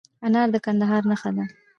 انار د کندهار نښه ده.